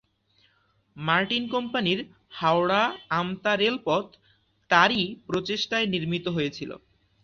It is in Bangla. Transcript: মার্টিন কোম্পানির হাওড়া- আমতা রেলপথ তারই প্রচেষ্টায় নির্মিত হয়েছিল।